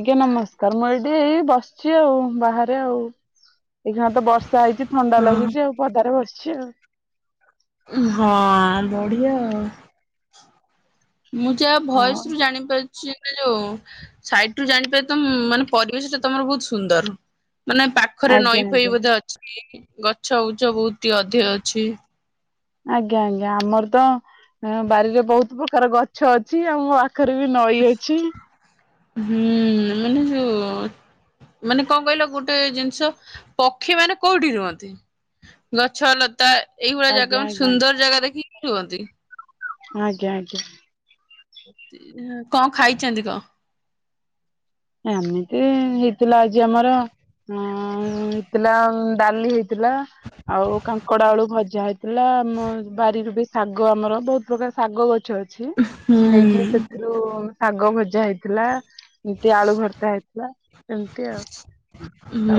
ଆଜ୍ଞା ନମସ୍କାର, ମୁଁ ଏଇଠି ଏଇ ବସିଚି, ଆଉ ବାହାରେ ଆଉ ଏଇଖା ତ ବର୍ଷା ହେଇଚି ଥଣ୍ଡା ହଁ ଲାଗୁଚି, ଆଉ ପଦାରେ ବସିଚି ଆଉ। ହଁ ବଢିଆ ଆଉ। ମୁଁ ଯାହା ହଁ ଭଏସରୁ ଜାଣିପାରୁ ଯୋଉ ସାଇଟରୁ ଜାଣିପାରୁଚି ମାନେ ପରିବେଶଟା ତମର ବହୁତ ସୁନ୍ଦର। ମାନେ ପାଖରେ ଆଜ୍ଞା ନଈ ଫଇ ଆଜ୍ଞା ବୋଧେ ଅଛି, ଗଛ ଉଛ ବୋହୁତ ଅଧିକ ଅଛି। ଆଜ୍ଞା ଆଜ୍ଞା ଆମର ତ ବାରିରେ ବୋହୁତ ପ୍ରକାର ଗଛ ଅଛି ଆମ ପାଖରେ ବି ନଈ ଅଛି। ହୁଁ ମାନେ ଯୋଉ ଓ ମାନେ କଣ କହିଲ ଗୋଟେ ଜିନିଷ ପକ୍ଷୀମାନେ କୋଉଠି ରୁହନ୍ତି? ଗଛ ଲତା ଏଇଗୁଡା ଆଜ୍ଞା ଜାଗା ମାନେ ଆଜ୍ଞା ସୁନ୍ଦର ଜାଗା ଦେଖିକି ରୁହନ୍ତି। ଆଜ୍ଞା ଆଜ୍ଞା। କଣ ଖାଇଚନ୍ତି କଣ? ଏମିତି ହେଇଥିଲା ଆଜି ଆମର ହେଇଥିଲା ଡାଲି ହେଇ ଥିଲା ଆଉ କାଙ୍କଡ ଆଳୁ ଭଜ ଭଜା ହେଇଥିଲା, ଆମ ବାରିରୁ ବି ଶାଗ ଆମର ବୋହୁତ ପ୍ରକାର ଶାଗ ଗ ଛ ଅଛି, ହୁଁ ନେଇକି ସେଥିରୁ ଶାଗ ଭଜା ହେଇଥିଲା। ଏ ଆଳୁ ଭର୍ତା ହେଇଥିଲା, ସେମିତି ଆଉ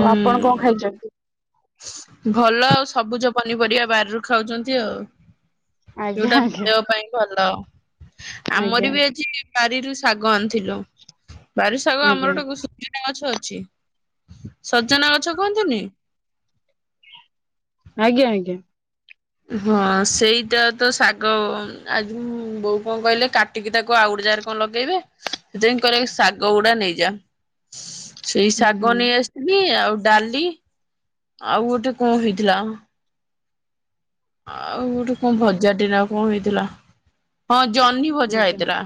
ଆଉ ଆପଣ କଣ ଖାଇଛନ୍ତି? ଭଲ ଆଉ ସବୁଜ ପନିପରିବା ବାରିରୁ ଖାଉଛନ୍ତି ଆଉ। ଆଜ୍ଞା ଯୋଉଟା ଆଜ୍ଞା ଦେହ ପାଇଁ ଭଲ, ଆଜ୍ଞା ଆଜ୍ଞା ଆମର ବି ଅଛି ବାରିରୁ ଶାଗ ଆଣିଥିଲୁ, ବାରି ଶାଗ ଆଜ୍ଞା ଆମର ଗୋଟେ [unintelligible] ଗଛ ଅଛି ଛି ସଜନା ଗଛ କୁହନ୍ତିନି। ଆଜ୍ଞା ଆଜ୍ଞା। ହଁ ସେଇଟା ତ ଶାଗ ଆଜି ମୁଁ ବୋଉ କଣ କହିଲେ କାଟିକି ତାକୁ ଆଉ ଗୋଟେ କଣ ଲଗେଇବେ, ସେଥିପାଇଁ କହିଲେ ଶାଗ ଗୁଡା ନେଇଯା। ସେଇ ହୁଁ ଶାଗ ହୁଁ ନେଇ ଆସିଥିଲି, ଆଉ ଡାଲି ଆଉ ଗୋଟେ କଣ ହେଇଥିଲା? ଆଉ ଗୋଟେ କଣ ଭଜା ଟେ ନା କଣ ହେଇଥିଲା? ହଁ ଜହ୍ନି ଭଜା ଆଜ୍ଞା। ହେଇଥିଲା।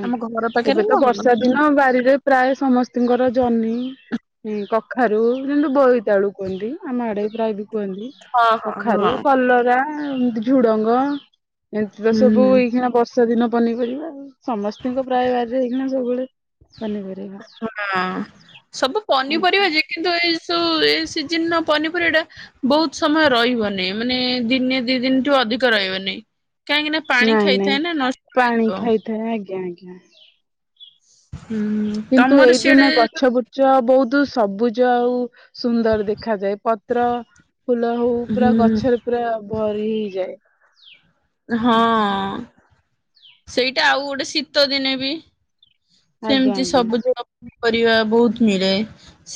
ଆଜ୍ଞା ଆମ ଘର ପାଖରେ ଏବେ ତ ନା ହଁ ବର୍ଷା ଦିନ ବାରିରେ ପ୍ରାୟ ସମସ୍ତିଙ୍କର ଜହ୍ନି। ହୁଁ କଖାରୁ ଯେମତି ବୋଇତାଳୁ କୁହନ୍ତି। ଆମ ଆଡେ ବି ପ୍ରାୟ ବି କୁହନ୍ତି ହଁ କଖାରୁ, ହଁ କଲରା ଏମତି ଝୁଡଙ୍ଗ। ଏମିତି ତ ସବୁ ହୁଁ। ଏଇକେଣା ବର୍ଷା ଦିନ ପନିପରିବା ଆଉ ସମସ୍ତଙ୍କ ପ୍ରାୟ ବାରିରେ ହେଇକିଣା ସବୁବେଳେ ପନିପରିବା। ହଁ ସବୁ ପନିପରିବା ଯେ କିନ୍ତୁ ଏ ସ ଏ ସିଜିନ ପନିପରିବା ଟା ବହୁତ ସମୟ ରହିବନି, ମାନେ ଦିନେ ଦି ଦିନ ଠୁ ଅଧିକ ରହିବନି। କାହିଁକି ନା ପାଣି ନାଇଁ ନାଇଁ ଖାଇଥାଏ ନା ନଷ୍ଟ ପାଣି ହେଇଯିବ ଖାଇଥାଏ, ଆଜ୍ଞା ଆଜ୍ଞା। ହୁଁ କିନ୍ତୁ ତମର ଏଇଦିନ ସିଆଡେ ଗଛ ବୁଛ ବୋହୁତ ସବୁଜ ଆଉ ସୁନ୍ଦର ଦେଖାଯାଏ ପତ୍ର। ଫୁଲ ହଉ ପୁରା ହୁଁ ଗଛରେ ପୁରା ଭରି ହେଇଯାଏ। ହଁ ଆଜ୍ଞା ସେଇଟା ଆଉ ଗୋଟେ ଶୀତ ଦିନେ ବି। ଆଜ୍ଞା ଆଜ୍ଞା ସେମିତି ସବୁ ଦିନ ପରିବା ବହୁତ ମିଳେ।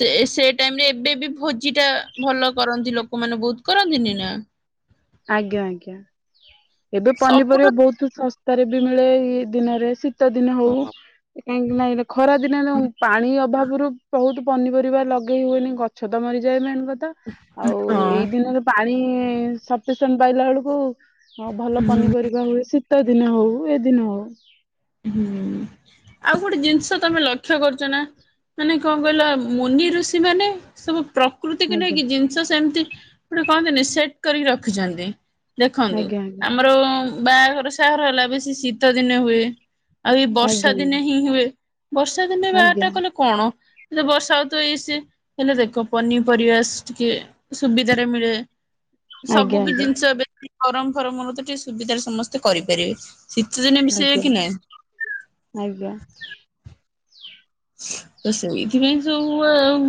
ସେ ସେ ଟାଇମ ରେ ଏବେ ବି ଭୋଜି ଟା ଭଲ କରନ୍ତି ଲୋକମାନେ ବହୁତ କରନ୍ତିନି ନା। ଆଜ୍ଞା ଆଜ୍ଞା ଏବେ ପନିପରିବା ସବୁର ବହୁତ ଶ ଶସ୍ତା ରେ ବି ମିଳେ ଏ ଦିନରେ ଶୀତ ଦିନ ହଉ କାହିଁକି ନାଇଁ ଖରା ଦିନ ପାଣି ଅଭାବ ବହୁତ ପନିପରିବା ଲଗେଇ ହୁଏନି ଗଛ ତ ମରିଯାଏ ମେନ କଥା। ଆଉ ହଁ ଏଇ ଦିନରେ ପାଣି ସଫିସିଏଣ୍ଟ ପାଇଲା ବେଳକୁ। ହ ଭଲ ହୁଁ। ପନିପରିବା ହୁଏ ଶୀତ ଦିନ ହଉ ଏଦିନ ହଉ। ହୁଁ ଆଉ ଗୋଟେ ଜିନିଷ ତମେ ଲକ୍ଷ୍ୟ କରିଛ ନା। ମାନେ କଣ କହିଲ ମୁନି ଋଷି ମାନେ ସବୁ ପ୍ରକୃତିକୁ ଆଜ୍ଞା ନେଇକି ଜିନିଷ ସେମିତି ଗୋଟେ କହନ୍ତିନି ସେଟ କରିକି ରଖିଛନ୍ତି। ଦେଖନ୍ତୁ ଆଜ୍ଞା ଆଜ୍ଞା ଆମର ବାହାଘର ସହର ହେଲା ବେଶୀ ଶୀତ ଦିନେ ହୁଏ। ଆଉ ଏଇ ବର୍ଷା ଦିନେ ହିଁ ହୁଏ ବର୍ଷା ଦିନେ ବାହାଘରଟା ଆଜ୍ଞା କଲେ କଣ। ବର୍ଷା ହେ ତ ଏଇସି ହେଲେ ଦେଖ ପନିପରିବା ଟିକେ ସୁବିଧାରେ ମିଳେ। ଆଜ୍ଞା ଆଜ୍ଞା ଆଜ୍ଞା ସବୁ ବି ଆଜ୍ଞା ଜିନିଷ ଏବେ ଗରମ ଫରମରୁ ତ ଟିକେ ସୁବିଧାରେ ସମସ୍ତେ କରିପାରିବେ। ଶୀତଦିନେ ମିଷେଇ କି ନାହିଁ। ଆଜ୍ଞା। ତ ସେଇଥିପାଇଁ ସବୁ।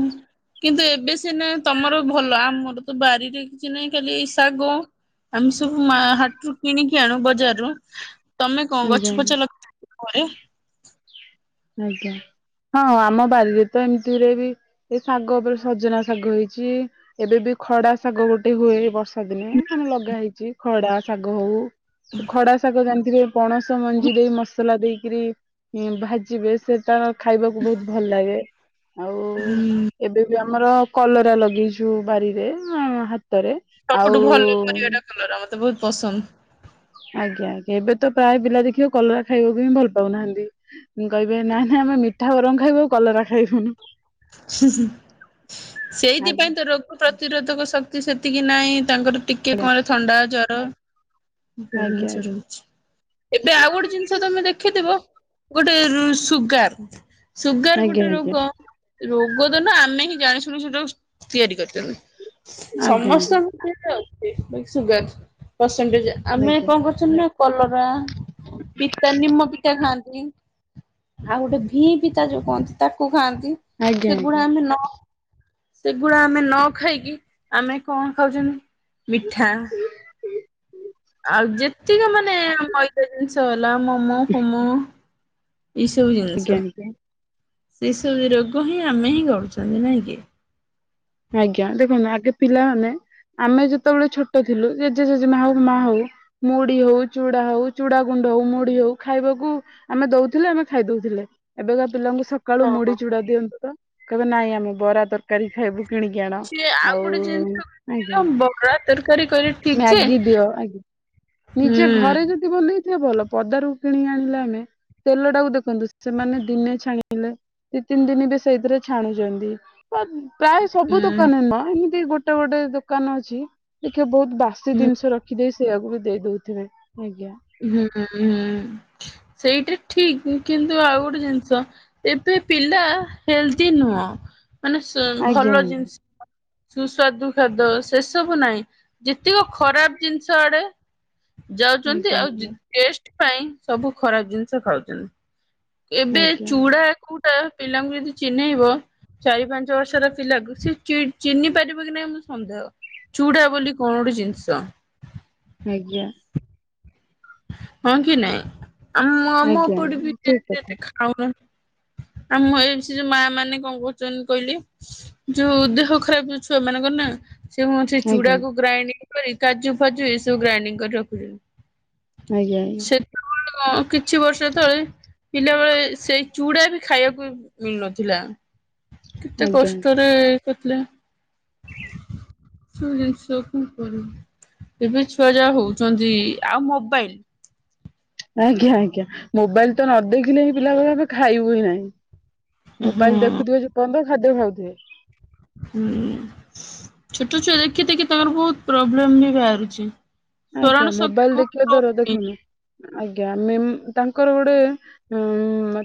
କିନ୍ତୁ ଏବେ ସିନା ତମର ଭଲ ଆମର ତ ବାରିରେ କିଛି ନାହିଁ ଖାଲି ଶାଗ। ଆମେ ସବୁ ମାଳ ହାଟରୁୁ କିଣିକି ଆଣୁ ବଜାରରୁ ତମେ କଣ ଗଛ ଆଜ୍ଞା ପଛ ଲଗେ ଘରେ। [unintelligible] ହଁ ଆମ ବାରିରେ ତ ଏମିତିରେ ବି ଏ ଶାଗ ଉପରେ ସଜନା ଶାଗ ହେଇଛି ଏବେ ବି। ଖଡା ଶାଗ ଗୋଟେ ହୁଏ ବର୍ଷା ଦିନେ ଆମେ ଲଗା ହେଇଛି ଖଡା ଶାଗ ହଉ ଖଡା ଶାଗ ଜାଣିଥିବେ। ପଣସ ମଞ୍ଜି ଦେଇ ମସଲା ଦେଇକରି ଭାଜିବେ ସେ ତାର ଖାଇବାକୁ ବହୁତ ଭଲ ଲାଗେ। ଆଉ ଏବେ ବି ଆମର କଲରା ଲଗେଇଛୁ ବାରିରେ। ରେ ସବୁଠୁ ଭଲ ଆଉ। ପରିବାଟା କଲରା ମତେ ବହୁତ ପସନ୍ଦ। ଆଜ୍ଞା ଆଜ୍ଞା ଏବେ ତ ପ୍ରାୟ ପିଲା ଦେଖିବା କଲରା ଖାଇବାକୁ ହିଁ ଭଲ ପାଉନାହାନ୍ତି କହିବେ ନା ନା। ତମେ ମିଠା ବରମ ଖାଇବ ଆ କଲରା ଖାଇବୁନି। ସେଇଥିପାଇଁ ଆଜ୍ଞା ତ ରୋଗ ପ୍ରତିରୋଧକ ଶକ୍ତି ସେତିକି ନାହିଁ। ତାଙ୍କର ଟିକେ କଣ ହେଲେ ଥଣ୍ଡା ଜର। ଆଜ୍ଞା ଜର ରହୁଛି ଏବେ ଆଉ ଗୋଟେ ଜିନିଷ ତମେ ଦେଖିଥିବ ଗୋଟେ ସୁଗାର ସୁଗାର ଆଜ୍ଞା ଗୋଟେ ଆଜ୍ଞା ରୋଗ। ରୋଗ ତ ନା ଆମେ ହିଁ ଜାଣିଶୁଣି ସେଟା ତିଆରି କରିପାରିଲୁ। ଆଜ୍ଞା ସମସ୍ତଙ୍କ ଅ ସୁଗାର ପରସେଣ୍ଟେଜ ଆମେ ଆଜ୍ଞା କଣ କରୁଛଛନ୍ତି ନା। କଲରା ପିତା ନିମ ପିତା ଖାଆନ୍ତି। ଆଉ ଗୋଟେ ଭି ପି ତା ଯୋଉ କୁହନ୍ତି ତାକୁ ଖାଆନ୍ତି। ଆଜ୍ଞା ଆଜ୍ଞା ସେଗୁଡା ଆଜ୍ଞା ଆମେ ନା ସେଗୁଡା ଆମେ ନ ଖାଇକି ଆମେ କଣ ଖାଉଛନ୍ତି ମିଠା। ଆଉ ଯେତିକ ମାନେ ମଇଦା ଜିନିଷ ହେଲା ମୋମୋ ଫୋମୋ ଏଇ ସବୁ ଜିନିଷ। ଆଜ୍ଞା ସେଇସବୁ ରୋଗ ହିଁ ଆମେ ହିଁ ଗଢୁଛନ୍ତି ନାଇଁ କି। ଆଜ୍ଞା ଦେଖନ୍ତୁ ଆଗେ ପିଲାମାନେ। ଆମେ ଯେତେବେଳେ ଛୋଟ ଥିଲୁ ଜେଜେ ଜେଜେମା ହଉ ମା ହଉ ମୁଢ଼ି ହଉ ଚୁଡା ହଉ ଚୁଡା ଗୁଣ୍ଡ ମୁଢି ହଉ ଖାଇବାକୁ ଆମେ ଦଉଥିଲେ ଆମେ ଖାଇ ଦଉଥିଲେ ଏବେକା ପିଲାଙ୍କୁ ହଁ। ସକାଳୁ ମୁଢି ଚୁଡା ଦିଅନ୍ତୁ ତ କହିବେ ନାଇଁ ଆମେ ବରା ତରକାରୀ ଖାଇବୁ। ସବୁ କିଣିକି ଆଣ ସିଏ ଆଉ ଗୋଟେ ଆଜ୍ଞା ଜିନିଷ ବରା ତରକାରୀ କହିଲେ ଠିକ ଯେ ମ୍ୟାଗି ଦିଅ ଆ ହୁଁ ନିଜେ ଘରେ ଯଦି ବନେଇଥିବା ଭଲ ପଦାରୁ କିଣି ଆଣିଲା ଆମେ ତେଲ ଟାକୁ ଦେଖନ୍ତୁ ସେମାନେ ଦିନେ ଛାଣ ହେଲେ ଦି ତିନି ଦିନ ବି ସେଇଥିରେ ଛାଣୁଛନ୍ତି। ପ୍ରାୟ ସବୁ ହୁଁ ଦୋକାନ ନ ଏମିତି ଗୋଟେ ଗୋଟେ ଦୋକାନ ଅଛି ଦେଖିବା ବହୁତ ବାସି ଜିନିଷ ରଖିଦେଇ ସେଇଆକୁ ବି ଦେଇ ଦଉଥିବେ। ଆଜ୍ଞା ହୁଁ ହୁଁ। ସେଇଟା ଠିକ କିନ୍ତୁ ଆଉ ଗୋଟେ ଜିନିଷ ଏବେ ପିଲା ହେଲଦି ନୁହଁ। ମାନେ ଆଜ୍ଞା ଭଲ ଆଜ୍ଞା ଜିନିଷ ସୁସ୍ୱାଦୁ ଖାଦ୍ୟ ସେ ସବୁ ନାହିଁ ଯେତିକ ଖରାପ ଜିନିଷ ଆଡେ। ଯାଉଛନ୍ତି ଆଜ୍ଞା ଆଉ ଆଜ୍ଞା। ଟେଷ୍ଟ ପାଇଁ ସବୁ ଖରାପ ଜିନିଷ ଖାଉଛନ୍ତି। ଏବେ ଆଜ୍ଞା ଚୁଡା କୋଉଟା ପିଲାଙ୍କୁ ଯଦି ଚିହ୍ନେଇବ ଚାରି ପାଞ୍ଚ ବର୍ଷର ପିଲା ସେ ଚିହ୍ନି ପାରିବ କି ନାହିଁ ମୁଁ ସନ୍ଦେହ। ଚୁଡା ବୋଲି କଣ ଗୋଟେ ଜିନିଷ? ଆଜ୍ଞା। ହଁ କି ନାଇଁ ଆମ ଆମ ଆଜ୍ଞା ଉପଟ ବି ଆଜ୍ଞା ଠିକ ଏତେ କଥା ଖାଉନାହାନ୍ତି। ଆଉ ଏମ ଯୋଉ ମା ମାନେ କଣ କରୁଛନ୍ତି କହିଲେ ଯୋଉ ଦେହ ଖରାପ ଯୋଉ ଛୁଆ ମାନଙ୍କର ନା ସେ ମୁଁ ସେ ଆଜ୍ଞା ଚୁଡାକୁ ଗ୍ରାଇଣ୍ଡିଂ କରି କାଜୁ ଫାଜୁ ଏସବୁ ଗ୍ରାଇଣ୍ଡିଂ କରି ରଖୁଛନ୍ତି। ଆଜ୍ଞା ଆଜ୍ଞା। ହଁ କିଛି ବର୍ଷ ତଳେ ପିଲାବେଳେ ସେଇ ଚୁଡା ବି ଖାଇବାକୁ ମିଳୁନଥିଲା। କେତେ ଆଜ୍ଞା ଆଜ୍ଞା କଷ୍ଟରେ କରିଥିଲେ। ସବୁ ଜିନିଷ କଣ କରିବି ଏବେ ଛୁଆ ଯାହା ହଉଛନ୍ତି ଆଉ ମୋ ମୋବାଇଲ ଆଜ୍ଞା ଆଜ୍ଞା ମୋବାଇଲ ତ ନ ଦେଖିଲେ ହିଁ ପିଲା ଏବେ ଖାଇବୁ ହିଁ ନାହିଁ। ହୁଁ। ମୋବାଇଲ ଦେଖୁଥିବେ ଯେ ପର୍ଯ୍ୟନ୍ତ ଖାଦ୍ୟ ଖାଉଥିବେ। ହୁଁ ଛୋଟ ଛୁଆ ଦେଖି ଦେଖି ତାଙ୍କର ବହୁତ ପ୍ରୋବ୍ଲେମ ବି ବାହାରୁଛି। ସ୍ମରଣ ଆଜ୍ଞା ଶକ୍ତି ମୋବାଇଲ ଦେଖିବା ବହୁତ ଧର ଦେଖୁନୁ। ଆଜ୍ଞା ତାଙ୍କର ଗୋଟେ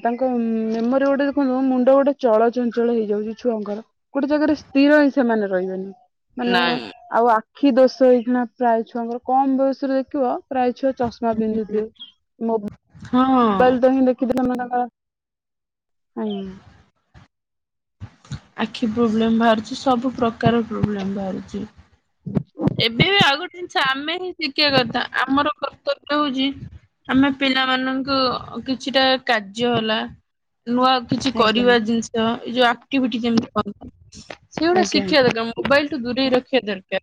ତାଙ୍କ ମେମୋରି ଗୋଟେ ଦେଖନ୍ତୁ ମୁଣ୍ଡ ଗୋଟେ ଚଳଚଞ୍ଚଳ ହେଇଯାଉଛି ଛୁଆଙ୍କର ଗୋଟେ ଜାଗାରେ ସ୍ଥିର ହିଁ ସେମାନେ ରହିବେନି। ମାନେ ନାଇଁ। ଆଉ ଆଖି ଦୋଶ ଏଇକିନା ପ୍ରାୟ ଛୁଆଙ୍କର କମ ବୟସରେ ଦେଖିବ ପ୍ରାୟ ଛୁଆ ଚଷମା ବିନ୍ଧୁଥିବେ ମୋ ହଁ ବାଇଲ ତୁ ଦେଖି ଦେଲେ ଆ ଆଖି ପ୍ରୋବ୍ଲେମ ବାହାରୁଛି ସବୁ ପ୍ରକାର ପ୍ରୋବ୍ଲେମ ବାହାରୁଚି। ଟ ହଉଛି ଆମେ ପିଲାମାନଙ୍କ କିଛିଟା କାର୍ଯ୍ୟ ହେଲା। ନୂଆ କିଛି ଆଜ୍ଞା କରିବା ଜିନିଷ ଏ ଯୋଉ ଆକ୍ଟିଭିଟି ଯେମିତି କରନ୍ତି ସେଇଗୁଡା ଆଜ୍ଞା ଆଜ୍ଞା ଶିଖିବା ଦରକାର ମୁଁ ମୋବାଇଲଠୁ ଦୂରେଇ ରଖିବା ଦରକାର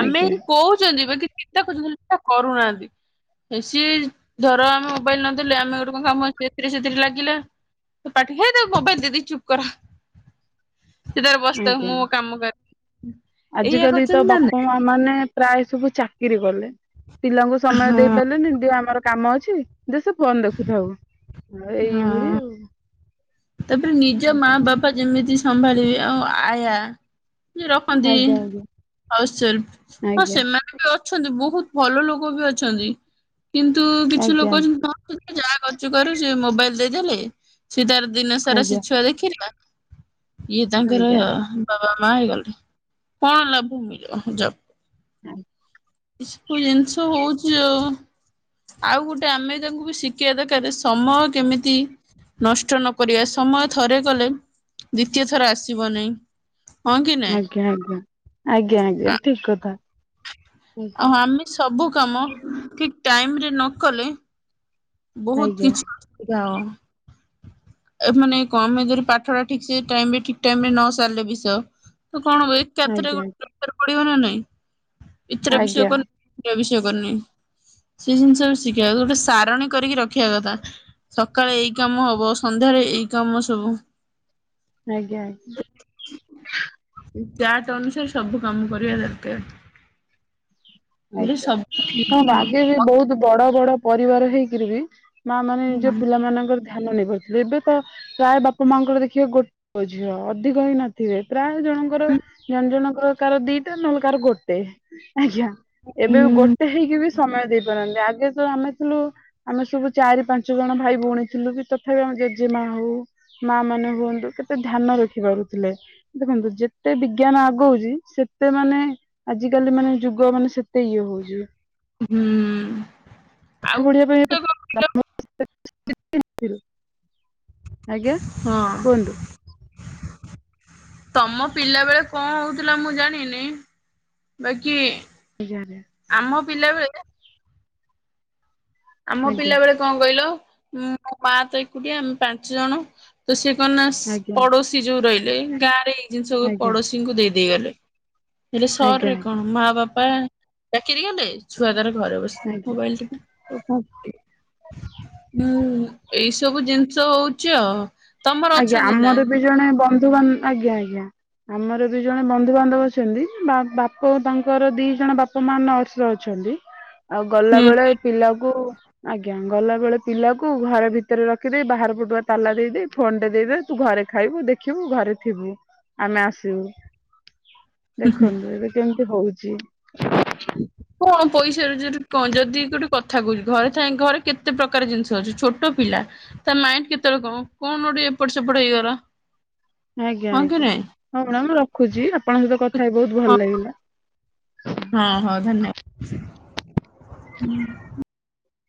ଆମେ ଆଜ୍ଞା କହୁଛ ବାକି ଚିନ୍ତା ଖୋଜୁଥିଲେ ନା ସେ କରୁନାହାନ୍ତି। ହେଇସି ଧର ଆମେ ମୋବାଇଲ ନ ଦେଲେ ଆମେ ଗୋଟେ କଣ କାମଥିରେ ସେଥିରେ ଲାଗିଲା। ତ ପାଠ ହେ ତ ମୋବାଇଲ ଦେଇ ଦେଇ ଚୁପ କରା। [inaudible] ସେଥିରେ ବସିଥାଉ ଆଜ୍ଞା ମୁଁ ମୋ କାମ କରେ। ଏଇଆ ଆଜିକାଲି ତ କରୁଛନ୍ତି ନା ବାପା ନାଇଁ। ମା ମାନେ ପ୍ରାୟ ସବୁ ଚାକିରି କଲେ। ପିଲାଙ୍କୁ ସମୟ ଦେଇ ହଁ ପାରିଲେନି ଦେ ଆମର କାମ ଅଛି ଦେ ସେ ଫୋନ ଦେଖୁଥାଉ। ହଁ ଏଇ ଭଳିି ଆଉ। ତାପରେ ନିଜ ମା ବାପା ଯେମିତି ସମ୍ଭାଳିବେ ଆଉ ଆୟା ରଖନ୍ତି ଆଜ୍ଞା ହଁ ଆଜ୍ଞା ସେମାନେ ବି ଅ ଅଛନ୍ତି ବହୁତ ଭଲ ଲୋକ ବି ଅଛନ୍ତି। କିନ୍ତୁ ଆଜ୍ଞା କିଛି ଆଜ୍ଞା ଲୋକ ଅଛନ୍ତି ଭଁଛନ୍ତି ଯାହା କରଛୁ କରୁ ସେ ମୋବାଇଲ ଦେଇଦେଲେ ସ ତାର ଦିନ ସାରା ସେ ଆଜ୍ଞା। ଛୁଆ ଦେଖି ନା ଇଏ ତାଙ୍କର ଆଜ୍ଞା ବାବା ମା ହେଇଗଲେ କଣ ଲାଭ ମିଳିବ ଜବକୁ। ହୁଁ ଏସବୁ ଜିନିଷ ହଉଛି ଆଉ ଆଉ ଗୋଟେ ଆମେ ତାଙ୍କୁ ବି ଶିଖିବା ଦରକାର ସମୟ କେମିତି ନଷ୍ଟ ନ କରିବା ସମୟ ଥରେ ଗଲେ ଦ୍ଵିତୀୟ ଥର ଆସିବ ନାହିଁ ହଁ କି ନାଇଁ? ଆଜ୍ଞା ଆଜ୍ଞା ଆଜ୍ଞା ଆଜ୍ଞା ଠିକ କଥା ଆଉ ଆଜ୍ଞା ଆମେ ସବୁ କାମ ଠିକ ଟାଇମରେ ନ କଲେ ବହୁତ ଆଜ୍ଞା କିଛି ଅସୁବିଧା ହେବ ମାନେ କମ ଏଜେରେ ପାଠ ଟା ଠିକ ସେ ଟାଇମରେ ଠିକ ଟାଇମରେ ନ ସାରିଲେ ବିଷୟ ତ କଣ ହ ଏକାଥରେ ଆଜ୍ଞା ଗୋଟେଚ ପଡିବ ନା ନାଇଁ ଏଥର ବିଷୟ ଆଜ୍ଞା କଲୁ କରିନ ସେ ଜିନିଷ ବି ଶିଖିବା ଗୋଟେ ସାରଣୀ କରିକି ରଖିବା କଥା ସକାଳେ ଏଇ କାମ ହବ ସନ୍ଧ୍ୟାରେ ଏଇ କାମ ସବୁ ଆଜ୍ଞା ଆଜ୍ଞା ଚାଟ ଅନୁସାରେ ସବୁ କାମ କରିବା ଦରକାର ହେଲେ ଆଜ୍ଞା ସବୁ ଠିକ ହଁ ହିଁ ହବ। ଆଗେ ବି ବହୁତ ବଡ ବଡ ପରିବାର ହେଇକିରି ବି ମା ମାନେ ନିଜ ପିଲାମାନଙ୍କର ଧ୍ୟାନ ନେଇ ପାରୁଥିଲେ ଏବେ ତ ପ୍ରାୟ ବାପା ମାଙ୍କର ଦେଖିବେ ଗୋଟେ ଝିଅ ଅଧିକ ହିଁ ନଥିବେ ପ୍ରାୟ ଜଣଙ୍କର ଜଣେ ଜଣଙ୍କର କାର ଦିଟା ନହେଲେ କାର ଗୋଟେ ଆଜ୍ଞା ଏବେ ଗୋଟେ ହେଇକି ବି ସମୟ ଦେଇପାରନ୍ତି ଆଗେ ତ ଆମେ ଥିଲୁ ଆମେ ସବୁ ଚାରି ପାଞ୍ଚ ଜଣ ଭାଇ ଭଉଣୀ ଥିଲୁ କି ତଥାପି ଆମେ ଜେଜେମା ହଉ ମା ମାନେ ହୁଅନ୍ତୁ କେତେ ଧ୍ୟାନ ରଖିପାରୁଥିଲେ ଦେଖନ୍ତୁ ଯେତେ ବି ଜ୍ଞାନ ଆଗଉଛି ସେତେ ମାନେ ଆଜିକାଲି ମାନେ ଯୁଗ ମାନେ ସେତେ ଇଏ ହଉଛି ହୁଁ ଆଉ ପାଠ ପଢିବା ଗୋଟେ ପାଇଁ କଣ କହିଲ? ଆଜ୍ଞା ହଁ କୁହନ୍ତୁ ତମ ପିଲା ବେଳେ କଣ ହଉଥିଲା ମୁଁ ଜାଣିନି ବାକି ା [inaudible] [unintelligible] ପିଲାବେେଳେ ଆମ ଆଜ୍ଞା ପିଲା ବେଳେ କଣ କହିଲ ମୋ ମା ତ ଏକୁଟିଆ ଆମେ ପାଞ୍ଚ ଜଣ ତ ସିଏ ନା ଆଜ୍ଞା ପଡୋଶୀ ଯୋଉ ରହିଲେ ଗାଁ ରେ ଏଇ ଜିନିଷ ଗୁଡା ଆଜ୍ଞା ପଡୋଶୀଙ୍କୁ ଦେଇ ଦେଇେ ଗଲେ ହେଲେ ଆଜ୍ଞା ଆଜ୍ଞା ସହରରେ କଣ ମା ବାପା ଚାକିରି ଗଲେ ଛୁଆ ତାର ଘରେ ବସି ଆଜ୍ଞା ମୋବାଇଲ ଟିପିଲେ ହଁ ଏଇ ସବୁ ଜିନିଷ ହଉଛି ଆଉ ତମର ଆଜ୍ଞା ଅଛନ୍ତି ନା? ଆମର ବି ଜଣେ ବନ୍ଧୁବାନ୍ଧ ଆଜ୍ଞା ଆଜ୍ଞା ଆମର ବି ଜଣେ ବନ୍ଧୁ ବାନ୍ଧବ ଅଛନ୍ତି ବାପ ତାଙ୍କର ଦି ଜଣ ବାପା ମା ନର୍ସ ଅଛନ୍ତି ଆଉ ଗଲା ହୁଁ ବେଳେ ପିଲାକୁ ଆଜ୍ଞା ଗଲା ବେଳେ ପିଲାକୁ ଘରେ ଭିତରେ ରଖିଦେଇ ବାହାର ପଟୁଆ ତାଲା ଦେଇଦେଇ ଫୋନ ଟେ ଦେଇଦ ତୁ ଘରେ ଖାଇବୁ ଦେଖିବୁ ଘରେ ଥିବୁ ଆମେ ଆସିବୁ ଦେଖନ୍ତୁ ଏବେ କେମିତି ହଉଛି କଣ ପଇସା ରୋଜଗାର କଣ ଯଦି ଗୋଟେ କଥା କହୁଛି ଘରେ ଥାଇ ଘରେ କେତେ ପ୍ରକାର ଜିନିଷ ଅଛି ଛୋଟ ପିଲା ତା ମାଇଣ୍ଡ କେତେ କଣ କଣ ଗୋଟେ ଏପଟ ସେପଟ ହେଇଗଲା ଆଜ୍ଞା ହଁ କି ଆଜ୍ଞା ନାଇଁ ହଉ ମାଡାମ ମୁଁ ରଖୁଛି ଆପଣଙ୍କ ସହିତ କଥାହେଇ ବହୁତ ଭଲ ଲାଗିଲା ହଁ ହଁ ଧନ୍ୟବାଦ